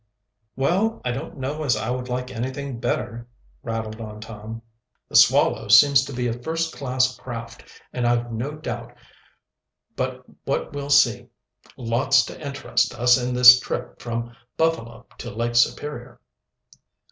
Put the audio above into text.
"Well, I don't know as I would like anything better," rattled on Tom. "The Swallow seems to be a first class craft, and I've no doubt but what we'll see lots to interest us in this trip from Buffalo to Lake Superior."